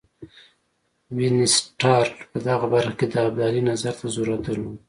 وینسیټارټ په دغه برخه کې د ابدالي نظر ته ضرورت درلود.